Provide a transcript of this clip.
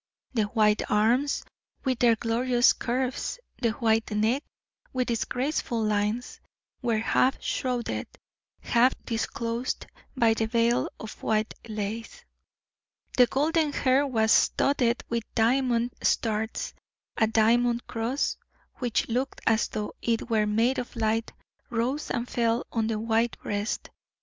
The white arms, with their glorious curves, the white neck, with its graceful lines, were half shrouded, half disclosed by the veil of white lace. The golden hair was studded with diamond stars; a diamond cross, which looked as though it were made of light, rose and fell on the white breast.